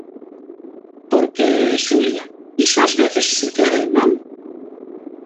Porque, Xulia, iso ás veces sucede, non?